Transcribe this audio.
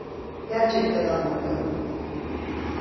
Gerçekten anlamıyorum.